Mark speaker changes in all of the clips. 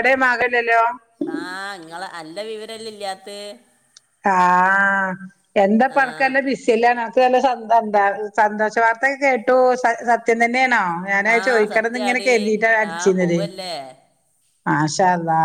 Speaker 1: എടേ മാകില്ലല്ലോ
Speaker 2: ആഹ് ഇങ്ങള് അല്ല വിവരം അല്ലെ ഇല്ലാത്തെ
Speaker 1: ആഹ് എന്താപ്പ
Speaker 2: ആ
Speaker 1: അനക്ക് നല്ല ബി സ്യല്ലാന അനക്ക്‌ വെല്ല സ സന്താ സന്തോഷവാർത്തക്കെ കേട്ടു സ സ ത്യം തന്നെയാണോ ഞാനത്
Speaker 2: ആ
Speaker 1: ചോദിക്കണംന്ന് ഇങ്ങനെ
Speaker 2: സത്യാടി
Speaker 1: കരുതീട്ടാണ്
Speaker 2: ആ
Speaker 1: അടിച്ചിരുന്നത്
Speaker 2: പോവല്ലേ
Speaker 1: മാഷാ അള്ളാ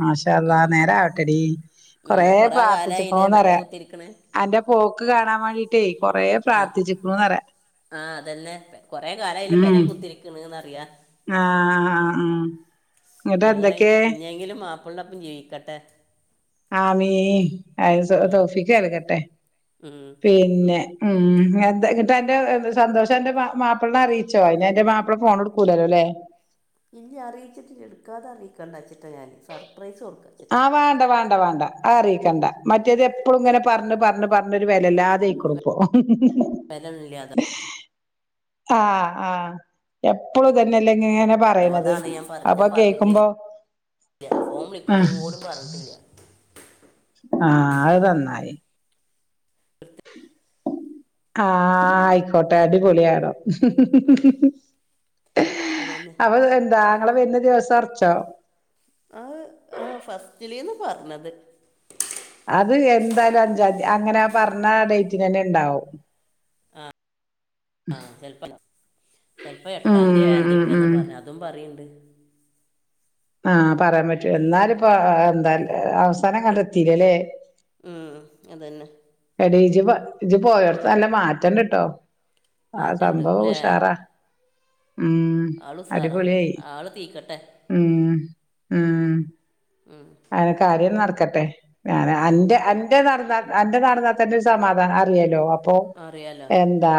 Speaker 1: മാഷാ അള്ളാ നേരാവട്ടെടീ കൊറേ
Speaker 2: കുറേ
Speaker 1: പ്രാർത്
Speaker 2: കാലമായില്ലേ
Speaker 1: ഥിക്കണോന്ന്
Speaker 2: പെരേ
Speaker 1: പറയാ
Speaker 2: കുത്തിരിക്കണ്
Speaker 1: അന്റെ പോക്ക് കാണാൻ വേണ്ടീട്ടേ കൊറേ പ്രാർത്ഥിച്ചിക്കണുന്ന് പറയാ.
Speaker 2: ആഹ് അതന്നെ പെ കൊറെ കാലായില്ലെ പെരേ കുത്തീരിക്കണൂന്ന്റിയ.
Speaker 1: ആഹ് ഉം
Speaker 2: ഞങ്ങളെ ഇഞ്ഞെങ്കിലും മാപ്പിളടൊപ്പം ജീവിക്കട്ടെ.
Speaker 1: ആമീ അയ് സൊ
Speaker 2: ഉം,
Speaker 1: തോഫിക്ക് കെടക്കട്ടെ
Speaker 2: ഉം.
Speaker 1: പിന്നെ ഉം എന്ത എന്നിട്ട് അന്റെ സന്തോഷം അന്റെ മാ മാപ്പിളനെ അറിയിച്ചോ അയ്ന് അന്റെ മാപ്പിള ഫോൺ എടുക്കൂലാലോ അല്ലേ.
Speaker 2: ഇല്ല അറിയിച്ചിട്ടില്ല എടുക്കാതെ അറിയിക്കണ്ടാച്ചിട്ടാ ഞാന്.
Speaker 1: ആഹ് വാണ്ട വാ ണ്ട വാണ്ട അതറിയിക്കണ്ട മറ്റേത് എപ്പളും ഇങ്ങനെ പറഞ്ഞ് പറഞ്ഞ് പറഞ്ഞ് ഒരു വെലല്ലാതായിക്കണു ഇപ്പൊ
Speaker 2: [unintelligible] ഇല്ല്യാ അതാ
Speaker 1: ഉ ആഹ് ആഹ് എപ്പളും ഇതന്നെല്ലെ എന്ന് ഇങ്ങനെ പ റയണത്
Speaker 2: അതാണ് ഞാൻ പറ
Speaker 1: അപ്പൊ
Speaker 2: ഞാൻ പറഞ്ഞിട്ടില്ല
Speaker 1: കേക്കുമ്പോ
Speaker 2: ഫോൺ
Speaker 1: അഹ്
Speaker 2: വിളിക്കുമ്പോഴും കൂടി പറഞ്ഞിട്ടില്ല
Speaker 1: ആഹ് അത് നന്നായി
Speaker 2: പ്ര
Speaker 1: ആഹ് ആയിക്കോട്ടെ അടിപൊളി ആകണം
Speaker 2: ഉം, അതന്നെ
Speaker 1: അപ്പൊ എന്താ ആങ്ങള വരുന്ന ദിവസം ഒറച്ചോ.
Speaker 2: അത് ആഹ് ഫസ്റ്റ്ലീന്ന് പറഞ്ഞത്
Speaker 1: അത് എന്തായാലും അഞ്ചാന്തി അങ്ങനെ പറഞ്ഞ ഡേറ്റിനന്നെ ഇണ്ടാവും.
Speaker 2: ആഹ് ചെലപ്പല് ചെലപ്പോ
Speaker 1: ഉം
Speaker 2: എട്ടാംന്തി
Speaker 1: ഉം
Speaker 2: ഏഴാന്തിക്കെയാന്ന്
Speaker 1: ഉം
Speaker 2: പറഞ്ഞ് അതും പറയണെണ്ട്.
Speaker 1: ആഹ് പറയാൻ പറ്റൂ എന്നാലിപ്പോ ആഹ് എന്താ ആഹ് അവസാനം കണ്ടെത്തീല്ലല്ലേ.
Speaker 2: ഉം അതന്നെ.
Speaker 1: എടി ഇജ്ജ് പൊ ഇജ്ജ് പോയോടത്ത് നല്ല മാറ്റെണ്ട്ട്ടോ. ആഹ്
Speaker 2: മാറ്റണ്ട്
Speaker 1: സംഭവം
Speaker 2: അല്ലേ
Speaker 1: ഉഷാറാ. ഉം
Speaker 2: ആള് ഉസാറാ
Speaker 1: അടിപൊളിയായി
Speaker 2: ആള് തീക്കട്ടെ.
Speaker 1: ഉം ഉം
Speaker 2: ഉം
Speaker 1: അയ്നെ കാര്യം നടക്കട്ടെ. ഞ അന്റെ അന്റെ നടന്നാ എന്റെ നടന്നാൽ തന്റെ ഒരു സമാധാനം അറിയല്ലോ. ഒഹ്
Speaker 2: അറിയാലോ
Speaker 1: എന്താ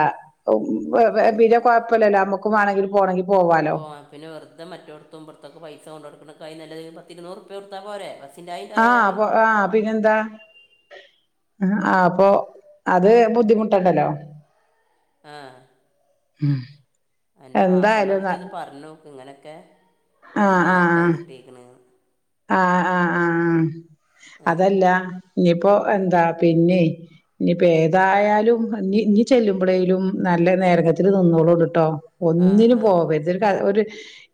Speaker 1: വില കുഴപ്പല്ല നമ്മുക്ക വേണെങ്ക പോണെങ്കിൽ. പോവാലോ
Speaker 2: പോ പിന്നെറുെതെ മറ്റെത്തുമ്പറത്തൊക്ക പൈസ കൊടുക്ക നല്ല പത്തിരുന്നൂറുപെർത്താ പോരെ. ബസ്സിൻ്റെ അതിൻ്റെ
Speaker 1: ആഹ്
Speaker 2: ആയാല്
Speaker 1: പൊ ആഹ് പിന്നെന്താ ആഹ് അപ്പൊ അത് ബുദ്ധിമുട്ടുണ്ടല്ലോ.
Speaker 2: ആഹ്
Speaker 1: ഉം
Speaker 2: അന്റെ
Speaker 1: എന്തായാലും
Speaker 2: മാപ്പളിനോട്
Speaker 1: ന
Speaker 2: ജ്ജോന്ന് പറഞ്ഞു നോക്ക് ഇങ്ങനൊക്കെ ഓൾക്ക്
Speaker 1: ആഹ്
Speaker 2: മാറ്റം കിട്ടിരിക്കണന്ന്
Speaker 1: ആഹ് ആഹ് ആഹ് ആഹ്
Speaker 2: ഏ
Speaker 1: അതല്ല ഇനിപ്പോഎന്താ പിന്നെ. ഇനിയിപ്പോ ഏതായാലും ഇ ഇനി ചെല്ലുമ്പോഴേലും നല്ല നേരകത്തില് നിന്നോളൂണ്ട്ട്ടോ.
Speaker 2: ആ
Speaker 1: ഒന്നിനു
Speaker 2: ആ
Speaker 1: പോവര്ത് ഇതൊരു ഒരു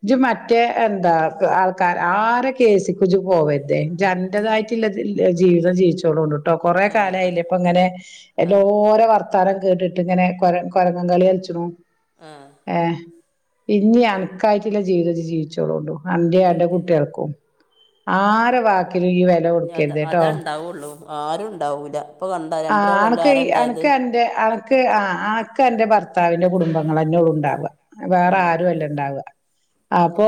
Speaker 1: ഇത് മറ്റേ എന്താ ആൾക്കാർ ആരൊക്കെ - കേസി കുജു പോവര്തെ ജൻറതായിട്ടുള്ളതിൽ. ജീവിതം ജീവിച്ചോടും കൊണ്ട് കേട്ടോ കൊറെേ
Speaker 2: ആ
Speaker 1: കാലായില്ല
Speaker 2: അത്
Speaker 1: ഇപ്പ ഇങ്ങനെ
Speaker 2: ആ
Speaker 1: എല്ലോരോ വർ - തരം കേട്ടിട്ട് ഇങ്ങ. നെര കൊരങ്ങം കളി അലിച്ചണോ
Speaker 2: ആഹ്
Speaker 1: ഏഹ് ഇനി അനക്കായിട്ടുള്ള ജീവിത ജീവിച്ചോളൂണ്ടൂ അന്റെയാടെ
Speaker 2: ജീവിക്കാം
Speaker 1: കുട്ടിയാൾക്കും. ആരെ വാക്കിലും ഈ വില
Speaker 2: അത്
Speaker 1: കൊടുക്കരുത് ട്ടോ.
Speaker 2: അതാ ഉണ്ടാവുള്ളൂ ആരും ഉണ്ടാവൂല ഇപ്പൊ കണ്ട രണ്ടര
Speaker 1: ആഹ്
Speaker 2: കൊല്ലം
Speaker 1: അണക്ക്
Speaker 2: ആരാ
Speaker 1: ഈ
Speaker 2: ഉണ്ടായത്
Speaker 1: അണക്ക അന്റെ അ - ആഹ് ആക്ക് അന്റെ ഭർത്താവിന്റെ കുടുംബങ്ങൾ അന്നോട് ഉണ്ടാവ വേറെ
Speaker 2: ഉം.
Speaker 1: ആരുുംല്ല. ണ്ടാവ അപ്പൊ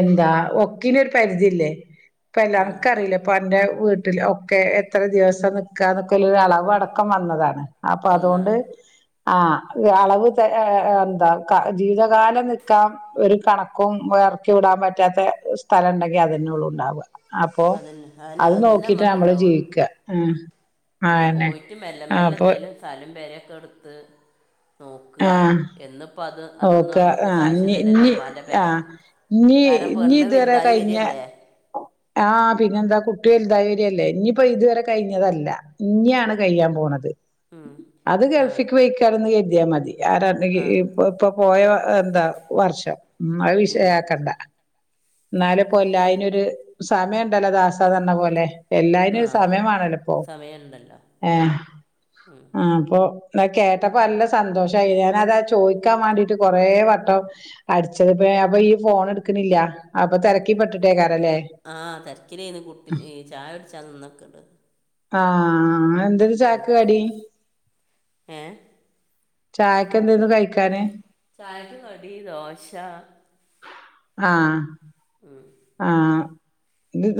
Speaker 1: എന്താ ഒക്കിനൊരു പരിധിയില്ലേ. ഇപ്പ
Speaker 2: ആ
Speaker 1: അനക്കറിയില്ല. ഇപ്പൊ അന്റെ വീട്ടിൽ ഒക്കെ എത്ര ദിവസം നക്കാന്ന്ക്കുള്ളൊ അളവ് അടക്കം വന്നതാണ്. അപ്പൊ അതോണ്ട്.
Speaker 2: ഒന്നാണ്
Speaker 1: ആഹ് അളവ്ഏ എന്താ ജീവിതകാലം നിൽക്കാം. ഒരു കണക്കും ഇറക്കി വിടാൻ പറ്റാത്ത സ്ഥലംണ്ടെങ്കിൽ. അതന്നെ ഒള്ളുഉണ്ടാവ അപ്പൊ
Speaker 2: അതന്നെ അതന്നെ
Speaker 1: അത്
Speaker 2: അതന്നെ
Speaker 1: നോക്കിട്ട്
Speaker 2: നമുക്ക്
Speaker 1: നമ്മള്
Speaker 2: ഉണ്ടാവുള്ളൂ
Speaker 1: ജീവിക്ക ആയന്നെ അന്നെപ്പൊ.
Speaker 2: സാലും വേരൊക്കെ എടുത്ത്. നോക്ക
Speaker 1: ആഹ്
Speaker 2: എന്നിപ്പോ അത് അതൊന്നും
Speaker 1: ഓക്ക
Speaker 2: നമ്മുക്ക്
Speaker 1: ആഹ് ഇഞ്ഞി
Speaker 2: സാക്ഷതല്ലല്ലോ
Speaker 1: ഇഞ്ഞി
Speaker 2: മ്മാന്റെ പെരെ
Speaker 1: ആഹ് ഇഞ്ഞി
Speaker 2: കാരണം
Speaker 1: ഇഞ്ഞി
Speaker 2: പെണ്ണ്
Speaker 1: ഇതുവരെ
Speaker 2: വലുതായി
Speaker 1: കഴിഞ്ഞ
Speaker 2: വരല്ലേ.
Speaker 1: ആഹ് പിന്നെന്താ കുട്ടി വാലുതായി വരില്ലേ ഇനിയിപ്പോ ഇതുവരെ കഴിഞ്ഞതല്ല ഇനിയാണ് ഇപ്പൊ കയ്യൻ പോണത്
Speaker 2: ഉം.
Speaker 1: അത്
Speaker 2: ആ
Speaker 1: ഗൾഫക്ക് പൊയ്ക്കന്ന് കരുതിയാൽ മതി.
Speaker 2: ആ
Speaker 1: ഇപ്പൊ പോയ എന്താ വർഷം ഉം അത്
Speaker 2: ഉം.
Speaker 1: വിഷയാക്കണ്ട. എന്നാല പോല്ല അയ്നരു സമയം ഉണ്ടല്ലോ ദാസാ പരഞ പോലെ. എല്ലായ്നും
Speaker 2: ആ
Speaker 1: ഒരു സമയമാണല്ലോപ്പോ
Speaker 2: സമയമുണ്ടല്ലോ
Speaker 1: ആഹ്
Speaker 2: ഉം.
Speaker 1: ആ അപ്പൊ. എന്നാ കേട്ടപ്പോ നല്ല സന്തോഷയി ഞാന അതാ ചോദിക്കാൻ വേണ്ടിട്ട് കൊറേ വട്ടം.. അടിച്ചത് അപ്പൊ ഈ ഫോൺ എടുക്കണില്ല അപ്പൊ തിരക്കി പെട്ടിട്ടേക്കാരല്ലേ.
Speaker 2: ആഹ് തരക്കിലന്ന് കുട്ടി ഈ ചായ കുടിച്ചാകണ് അ നിന്നൊക്കെണ്‌.
Speaker 1: ആഹ് എന്തനു ചായക്ക് കടി.
Speaker 2: ഏഹ്
Speaker 1: ചായക്കെന്തേനു കഴിക്കാന്
Speaker 2: ചായക്ക് കടി ദോശ.
Speaker 1: ആഹ്.
Speaker 2: ഉം
Speaker 1: ആഹ്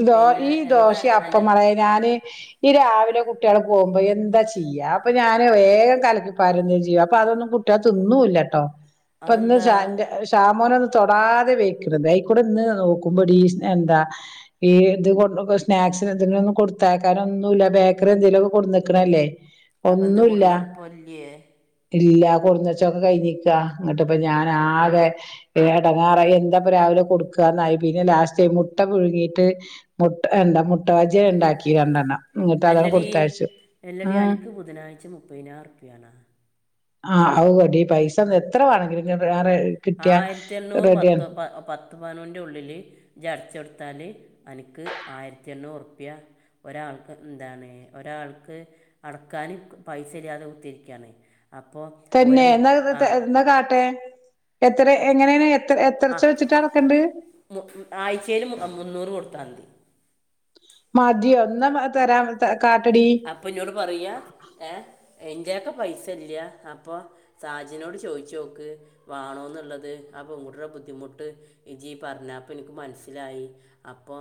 Speaker 1: ദോ
Speaker 2: പിന്നെ
Speaker 1: ഈ
Speaker 2: എന്താ
Speaker 1: ദോശ അപ്പ
Speaker 2: അൻ്റെ
Speaker 1: മളെ ഞാന്. ഈ രാവിലെ കുട്ടിയള് പോകുമ്പോ എന്താ ചെയ്യാ അപ്പൊ ഞാന് വേഗം കലക്കിപ്പാര ചെയ്യ അപ്പൊ അതൊന്നും കു റ്റ തിന്നുല്ലട്ടോ പ്പ ഇന്ന്
Speaker 2: അതെന്താ
Speaker 1: ഷ ന്റെ ഷാമോന് ഒന്ന് തൊടാതെ വേയ്ക്ക്ണത് അയിക്കൂടെ ഇന്ന് നോ കുമ്പടി എന്താ ഈ ഇത് കൊ സ്നാക്സിന് എന്തെിലും ഒന്നും കൊടുത്താക്കാന ഒന്നുമല്ല ബേക്കറി എന്തേങ്കിലുമൊക്കെ കൊടു നിക്കണ്ല്ലേ.
Speaker 2: അപ്പം എന്താ
Speaker 1: ഒന്നുല്ല.
Speaker 2: കൊടുന്ന് പൊല്ലിയേ
Speaker 1: ഇല്ല കുറച്ചൊക്കെ ഇപ്പ ഞാനാകെ ഏടങ്ങാറ എന്താപ്പൊ രാവിലെ കൊടുക്കുക എന്നായി. പിന്നെ ലാസ്റ്റ് മുട്ട പുഴങ്ങിയിട്ട് മുട്ട എന്താ മുട്ട ബജിണ്ടാക്കി രണ്ടെണ്ണം. എന്നിട്ട് അതാണ്
Speaker 2: അല്ലാടി
Speaker 1: കൊടുത്തയച്ചു
Speaker 2: എല്ല ടി
Speaker 1: ഉം
Speaker 2: അനക്ക് ബുധനാഴ്ച മുപ്പതിനായിരം ഉറുപ്പിയാണോ?
Speaker 1: ആഹ് ആവുടി ഈ പൈസ ഒന്ന് എത്ര വേണമെങ്കിലും ഞാൻ റെഡി
Speaker 2: ആഹ് ആയിരത്തി എണ്ണൂറ് പത്ത് പ പത്ത്. [unintelligible] ഉള്ളിൽ ജടച്ചെടുത്താൽ എനിക്ക് ആയിരത്തി എണ്ണൂറ്പ്യ. ഒരാൾക്ക് എന്താണ് ഒരാൾക്ക്? അടക്കാനും പൈസ ഇല്ലാതെ കുത്തിരിക്കയാണ്. അപ്പോ?
Speaker 1: തന്നെ എന്താ എന്താ കാട്ടെ. എത്ര എങ്ങനെയാണ് എത്ര എത്രേച്ച വെച്ചിട്ട വേക്കണ്ട്.
Speaker 2: മു ആഴ്ചയിൽ മുന്നൂറ് കൊടുത്താൽ മതി.
Speaker 1: മതിയോ ന്നാ ഒന്നും തരാ കാട്ടടി.
Speaker 2: അപ്പൊ ഇന്നോട് പറയാ ഏഹ് എന്റെയൊക്കെ പൈസ ഇല്ല അപ്പൊ സാജിനോട് ചോയിച്ചു നോക്ക് വാണോ എന്നുള്ളത് ആഹ് പെൺകുട്ടിയുടെ ബുദ്ധിമുട്ട്. ജി പറഞ്ഞപ്പൊ എനിക്ക് മനസ്സിലായി അപ്പൊ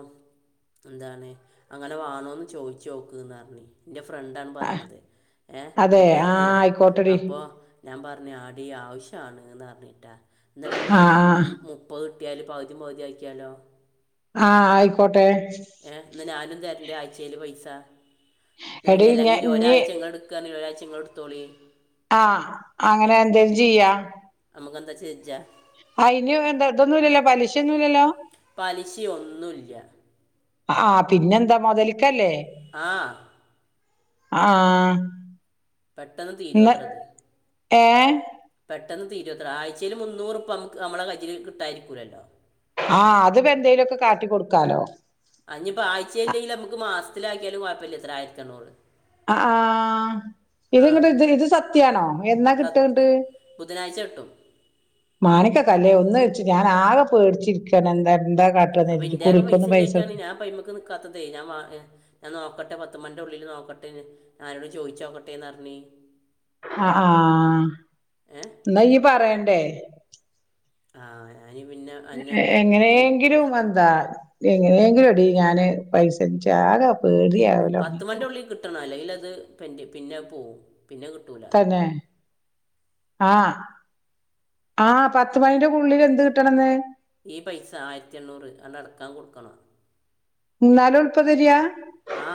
Speaker 2: എന്താണ് അങ്ങനെ വേണോന്ന് ചോദിച്ചു നോക്കാന് പറഞ്ഞ ഇന്റെ ഫ്രണ്ടാണ് പറഞ്ഞത് ഏഹ്
Speaker 1: അതെ ആ
Speaker 2: കൂട്ടുകാരത്തി
Speaker 1: ആയിക്കോട്ടെടി
Speaker 2: അപ്പോ. ഞാൻ പറഞ്ഞത് അടി ആവശ്യമാണ്ന്ന് പറഞ്ഞിട്ടാ എന്ന
Speaker 1: ആ
Speaker 2: നമുക്ക്. മുപ്പത് കട്ടിയാൽ പകുതി പകുതി ആക്കിയാലോ?
Speaker 1: ആഹ് ആയിക്കോട്ടെ.
Speaker 2: ഏഹ് എന്നത് ഞാനും തരണ്ട് ആഴ്ചയിൽ പൈസ
Speaker 1: എടി ഞ
Speaker 2: അല്ലെങ്കില്
Speaker 1: ഇഞ്ഞി
Speaker 2: ഒരാഴ്ച ങ്ങോട്. [unintelligible] ഇങ്ങോളെടുത്തോളി.
Speaker 1: ആഹ് അങ്ങനെ എന്തേലും ചെയ്യാ.
Speaker 2: നമുക്കെന്താ ചെജ്ജ
Speaker 1: ആഹ് അയ്ന് എന്താ ഇതൊന്നുല്ലോ പലിശയൊന്നുമല്ലല്ലോ
Speaker 2: പലിശയോന്നുല്ല,
Speaker 1: ആഹ് പിന്നെന്താ മുതലക്കല്ലേ?
Speaker 2: ആ
Speaker 1: ആഹാ
Speaker 2: പെട്ടെന്ന് തീരോത്ര ഇത്
Speaker 1: ഏ
Speaker 2: പെട്ടെന്ന് തീരോത്രെ ആഴ്ചയിൽ മുന്നൂറുപ്യ നമുക്ക് നമ്മളെ കജിൽ കിട്ടായിരിക്കില്ലല്ലോ
Speaker 1: ആഹ് അത് ഇപ്പോ എന്തേലുമൊക്കെ കാട്ടി കൊടുക്കാലോ
Speaker 2: ആഹ് ഞ്ഞിപ്പോ ആഴ്ചയില്ലെങ്കിൽ നമുക്ക്‌ മാസത്തിലാക്കിയാലും കുഴപ്പമില്ല ഇത്ര ആയിരത്തി എണ്ണൂറ്
Speaker 1: ആഹ് ആഹാ
Speaker 2: ആ
Speaker 1: ഇത്ങ്ങട്ട് ഇത് ഇത് സത്യമാണോ എന്നാ കിട്ട
Speaker 2: സത്
Speaker 1: നിന്നിട്ട്
Speaker 2: ബുധനാഴ്ച കിട്ടും
Speaker 1: മാണിക്ക്യക്കല്ലേ ഒന്ന് വെച്ച് ഞാൻ ആകെ പേടിച്ചിരിക്കാണ് എന്താ എന്താ കാട്ടാന്ന്
Speaker 2: അപ്പൊ
Speaker 1: കരുതിട്ട്
Speaker 2: ഇന്റക്കെ പൈസ
Speaker 1: കുറിക്കൊന്നും
Speaker 2: ഇല്ലായിട്ടാണ്
Speaker 1: കൊടുക്ക
Speaker 2: ഞാൻ പൈമക്ക് നിക്കാത്തത് ഞാൻ ഞാൻ നോക്കട്ടെ പത്ത് മണിന്റെ ഉള്ളില് നോക്കട്ടെ ഞാനോട് ചോദിച്ചു നോക്കട്ടെന്ന്റിഞ്
Speaker 1: ആഹ് ആഹ്
Speaker 2: ഏ
Speaker 1: എന്നാ യ്യ് പറയണ്ടേ
Speaker 2: ആഹ് ഞാന് പിന്നെ അന്നെ എൻ-
Speaker 1: എങ്ങനെയെങ്കിലും എന്താ എങ്ങനെ എങ്കിലും എടി ഞാന് പൈസച്ചാകെ പേടിയാ
Speaker 2: പത്ത് മണിന്റെ ഉള്ളിൽ കിട്ടണം അല്ലെങ്കിൽ അത് പിന്നെ പോകും പിന്നെ കിട്ടൂല
Speaker 1: ന്നെ ആഹ് ആഹ് പത്ത് മണിന്റെ ഉള്ളിൽ എന്ത് കിട്ടണം ന്ന്
Speaker 2: ഈ പൈസ ആയിരത്തി എണ്ണൂറ് അടക്കാൻ കൊടുക്കണം
Speaker 1: ഇ ന്നാലും [unintelligible]
Speaker 2: ആ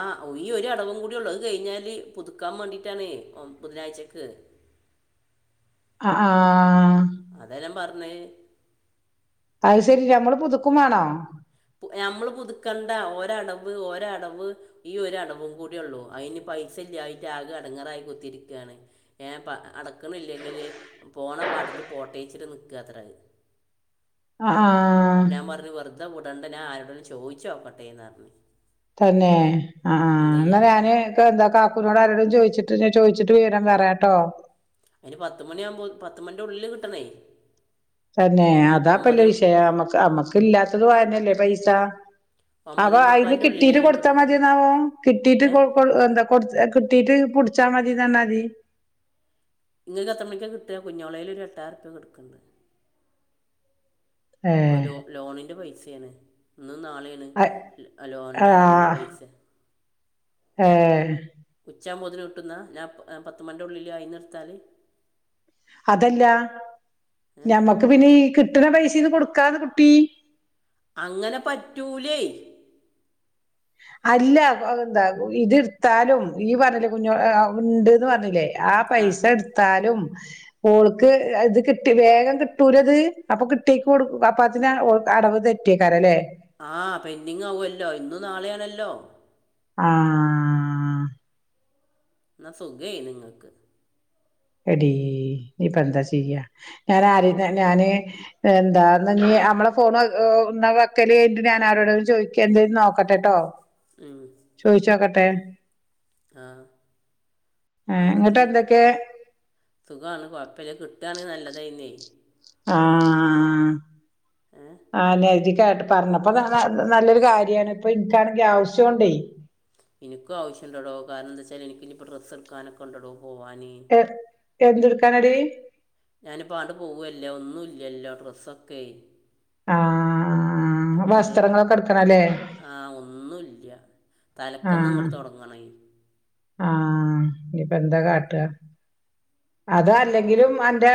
Speaker 2: ഈ ഒ ഒരു അടവും കൂടി ഉള്ളത് കഴിഞ്ഞാല് പുതുക്കാൻ വേണ്ടിട്ടാണ് ബുധനാഴ്ചക്ക്
Speaker 1: ആഹ് ആഹ്
Speaker 2: അതെല്ലാ പറഞ്ഞേ
Speaker 1: അത് ശരി നമ്മള് പുതുക്കും വാണോ
Speaker 2: നമ്മള് പുതുക്കേണ്ട ഒരടവ് ഒരടവ് ഈ ഒരിടവും കൂടി ഉള്ളൂ അതിന് പൈസ ഇല്ലായിട്ട് ആകെ എടങ്ങറായി കുത്തിരിക്കുകയാണ് ഏഹ് അടക്കണില്ലെങ്കിൽ പോണ പാട്ടില് പോട്ടേച്ചിട്ട് നിൽക്കത്ര അത്
Speaker 1: ആഹ്
Speaker 2: [inaudible]
Speaker 1: ആഹ്
Speaker 2: അപ്പൊ ഞാൻ പറഞ് വെറുതെ വിടണ്ട ഞാന് ആരോടലും ചോദിച്ചോക്കട്ടെന്ന് പറഞ്ഞു
Speaker 1: തന്നെ ആ ആ
Speaker 2: എന്താ
Speaker 1: എന്നാ
Speaker 2: ചെയ്യുക
Speaker 1: ഞാന് എന്താ കാക്കനോട് ആരോടും ചോദിച്ചിട്ട് ചോദിച്ചിട്ട് വിവരം പറയാട്ടോ കേട്ടോ
Speaker 2: അതിന് പത്ത് മണിയാകുമ്പോ പത്ത് മണിന്റെ ഉള്ളിൽ കിട്ടണേ
Speaker 1: തന്നെ അതാപ്പല്ല
Speaker 2: ഒമ്പതേ
Speaker 1: വിഷയം മ്മക്ക് അമ്മക്ക് ഇല്ലാത്തത് അതന്നെഅല്ലേ പൈസ
Speaker 2: ഒമ്പതേ
Speaker 1: അപ്പൊ അതിന്
Speaker 2: മുക്കാലിൻ്റെ
Speaker 1: കിട്ടീട്ട്
Speaker 2: ഉള്ളിലും
Speaker 1: കൊടുത്താ
Speaker 2: കിട്ടണം
Speaker 1: മതി എന്നാവോ കിട്ടീട്ട്
Speaker 2: ഏ
Speaker 1: കൊ എന്താ കിട്ടീട്ട് പുടിച്ചാൽ മതി പറഞ്ഞാൽ മതി
Speaker 2: നിങ്ങൾക്ക് എത്ര മണിക്ക് കിട്ടുക കുഞ്ഞോളെയിൽ ഒരു എട്ടായിരം റുപ്യ കിടുക്കുന്നുണ്ട്
Speaker 1: ഏ
Speaker 2: ഓ ലോ ലോണിന്റെ പൈസയാണ് ഇന്ന് നാളെയാണ്
Speaker 1: അ- ആ
Speaker 2: ലോണിന്റെ അടവിന്റെ പൈസ
Speaker 1: ഏഹ്
Speaker 2: ഉച്ചാമ്പോതിന് കിട്ടുന്ന ഞാൻ പത്ത് മണിന്റെ ഉള്ളില് അതിൽ നിന്ന് എട്ത്താല്
Speaker 1: അതല്ല
Speaker 2: ഏ
Speaker 1: ഞമ്മക്ക് പിന്നെ ഈ കിട്ടണ പൈസീന്ന് കൊടുക്കാന്ന് കുട്ടി
Speaker 2: അങ്ങനെ പറ്റൂലേ
Speaker 1: അല്ല എന്താ ഇത് എടുത്താലും ഈ പറഞ്ഞില്ലേ കുഞ്ഞ ഉണ്ട്ന്ന് പറഞ്ഞില്ലേ ആ പൈസ എടുത്താലും ഓൾക്ക് ഇത് കിട്ടി വേഗം കിട്ടൂലത് അപ്പൊ കിട്ടിയക്ക് കൊടുക്ക അപ്പ അതിന് അടവ് തെറ്റ കിട്ടേയക്കാരല്ലേ
Speaker 2: ആഹ് പെൻഡിങ് ആവോല്ലോ ഇന്നും നാളെയാണല്ലോ
Speaker 1: ആഹ്
Speaker 2: എന്നാ സുഖായിൻ
Speaker 1: എടി ഞ്ഞിപ്പോ എന്താ ചെയ്യ ഞൻ ആര് ഞാന് എന്താന്ന് നമ്മളെ ഫോൺ വെക്കല് ഞാനൻരോടന്ന് ചോദിക്കുക എണ്ടേലും നോക്കട്ടെട്ടോ
Speaker 2: ഉം
Speaker 1: ചോയിച്ചോക്കട്ടെ
Speaker 2: ആ
Speaker 1: ഏഹ് എന്നിട്ട്
Speaker 2: ആയിരത്തി
Speaker 1: എന്തൊക്കെ
Speaker 2: സുഖമാണ് കുഴപ്പമില്ല കിട്ടുകയാണെങ്ക നല്ലതായിരുന്നേ
Speaker 1: ആഹ്
Speaker 2: ഏ
Speaker 1: ആ നജികായിട്ട് പറഞ്ഞു അപ്പൊ നല്ലൊരു കാര്യമാണ് ഇപ്പ ഇനിക്കാണെങ്കി ആവശ്യംണ്ടേ
Speaker 2: എനിക്കും ആവശ്യംണ്ടടൊ കാരണം എന്താച്ചാ എനിക്ക് ഞ്ഞിപ്പോ ഡ്രസ് എടുക്കാനൊക്കെണ്ടടൊ പോവാന്
Speaker 1: എന്ത്ക്കാനടി
Speaker 2: ഞാനിപ്പണ്ട് പോവല്ലേ ഒന്നും ഇല്ലല്ലോ ഡ്രസ്സൊക്കെയ്
Speaker 1: ആഹ്
Speaker 2: അപ്പ എന്തേ
Speaker 1: വസ്ത്രങ്ങളൊക്കെ എടുക്കണല്ലേ
Speaker 2: ആഹ ഒന്നുംല്ല്യ തലക്കന്ന്
Speaker 1: ആഹ്
Speaker 2: ഇങ്ങോട്ട തൊടങ്ങ [unintelligible]
Speaker 1: ആഹ് ഇനിപ്പൊ എന്താ കാട്ടാ അതാ
Speaker 2: അപ്പം അത്
Speaker 1: അല്ലെങ്കിലും അന്റെ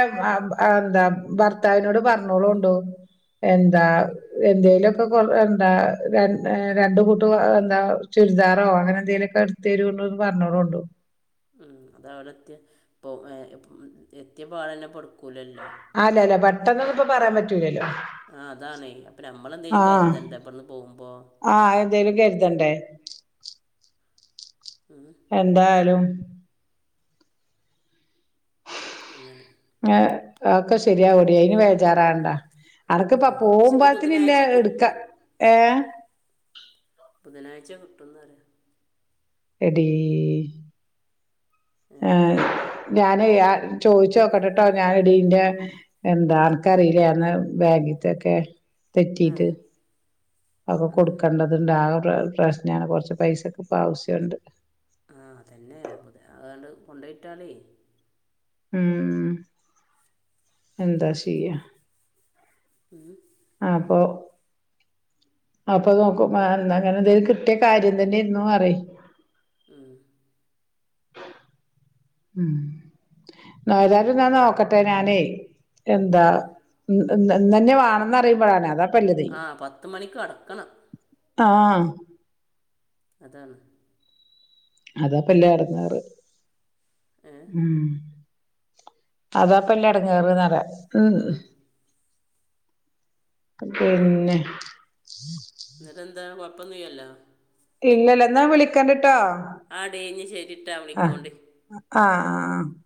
Speaker 1: എന്താ ഭർത്താവിനോട് പറഞ്ഞളൊണ്ടു എന്താ എന്തേലുക്കെ കൊറ എന്താ രണ്ട കൂട്ട് എന്താ ചുരിദാറോ അങ്ങനെന്തെലോക്കെ എടു തരോണ്ടു പറഞ്ഞളോണ്ടു
Speaker 2: ഉം അത അവിടെ എത്തി പോ എത്തിയ പാടന്നെ പടുക്കൂലല്ലോ
Speaker 1: അല്ല അല്ല പെട്ടെന്നൊന്ന ഇപ്പ പറയാൻ പറ്റൂലല്ലോ
Speaker 2: ആ അതാണെ അപ്പൊ നമ്മളെ എന്തേലും
Speaker 1: ആഹ്
Speaker 2: കരുതണ്ടേ ഇവിടന്ന് പോകുമ്പോ
Speaker 1: ആഹ് എന്തെലും കരുതണ്ടേ
Speaker 2: ഉം
Speaker 1: എന്തായാലും
Speaker 2: അങ്ങനെ
Speaker 1: ഏ അഒക്കെ ശരിയാകൊടി അയിന് വേചാറകണ്ടാ അടക്ക
Speaker 2: ആ
Speaker 1: ഇപ്പ
Speaker 2: പക്ഷെ ഇത്
Speaker 1: പോകുമ്പത്തിന ഇല്ല
Speaker 2: ബുധനാഴ്ച
Speaker 1: എടുക്ക
Speaker 2: കിട്ടും
Speaker 1: ഏഹ
Speaker 2: ബുധനാഴ്ച കിട്ടുന്നറയാ
Speaker 1: എടീ ഏ ഞാന് ചോദിച്ചോകെട്ടട്ടോ ഞന് ഇടീന്റെ എന്താ അനക് അറിലന്ന് ബാങ്കിത്തൊക്കെ
Speaker 2: ആ
Speaker 1: തെറ്റിട്ട് അഒക്കെ കൊടുക്കേണ്ടതുണ്ട് ആ ഒരു പ്രശ്നാണ് കൊറച്ച് പൈസക്കെ ഇപ്പ ആവശ്യംണ്ട്
Speaker 2: ആ അതന്നെയ പു അതണ്ട് കൊണ്ടോയിട്ടളേ
Speaker 1: ഉം എന്താ ചെയ്യ
Speaker 2: ഉം
Speaker 1: ആപ്പൊ അപ്പൊ നോക്കും അന്ന് അങ്ങനെ എന്തരു കിട്ടിയ കാര്യം തന്നെ ഇരുന്നു പറയ്
Speaker 2: ഉം
Speaker 1: ഉം [unintelligible] എന്നാ നോക്കട്ടെ ഞാനേ എന്താ
Speaker 2: ആ
Speaker 1: ഇന്നന്നെ വേണന്ന് അറിയുമ്പോഴാണ് അത
Speaker 2: ആ പത്ത മണിക്ക് അടക്കണം
Speaker 1: താ
Speaker 2: അതാണ്
Speaker 1: അതാ ഇല്ല പല്ലടങ്ങേറ്
Speaker 2: ഉം
Speaker 1: ഉം അതാപ്പല്ല ഇടങ്ങേറ ആഹ്
Speaker 2: ഉം.
Speaker 1: പിന്നെ
Speaker 2: നിട്ട എന്താ കൊഴപ്പന്നില്ലല്ലോ
Speaker 1: ഇല്ലല്ല എന്നാ വിളിക്കാണ്ടിട്ടോ
Speaker 2: ആഹ് ടീ ഞ്ഞ് ശരിട്ടാ വിളിക്കോണ്ടിം
Speaker 1: ആഹ് ആഹ് ആഹ്